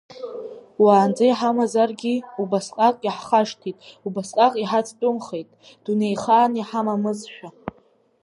Уаанӡа иҳамазаргьы, убасҟак иаҳхашҭит, убасҟак иҳацәтәымхеит, дунеихаан иҳамамызшәа.